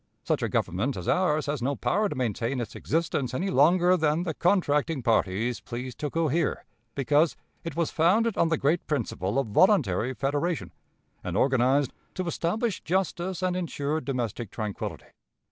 Such a government as ours had no power to maintain its existence any longer than the contracting parties pleased to cohere, because it was founded on the great principle of voluntary federation, and organized "to establish justice and insure domestic tranquillity."